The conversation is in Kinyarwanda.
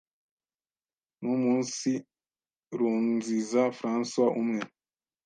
Numunsirunziza François, umwe